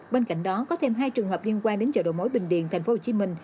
bên cạnh đó có thêm hai trường hợp liên quan đến chợ đồ mối bình điền tp hcm